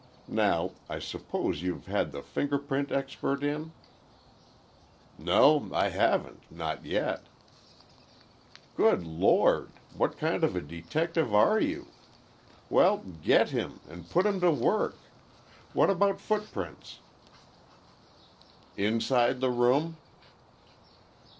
Now, I suppose you've had the finger print expert in?" "No—I haven't—not yet." "Good Lord! What kind of a detective are you? Well, get him, and put him to work. What about footprints?" "Inside the room?"